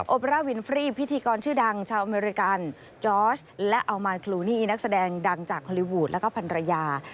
บราวินฟรีพิธีกรชื่อดังชาวอเมริกันจอร์ชและอัลมานคลูนี่นักแสดงดังจากฮอลลีวูดแล้วก็พันรยา